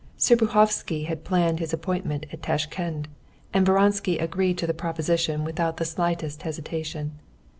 Serpuhovskoy had planned his appointment at Tashkend, and Vronsky agreed to the proposition without the slightest hesitation.